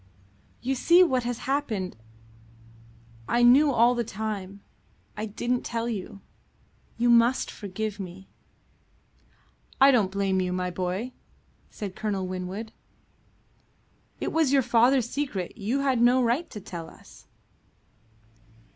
"You see what has happened. I knew all the time. I didn't tell you. You must forgive me." "I don't blame you, my boy," said Colonel Winwood. "It was your father's secret. You had no right to tell us."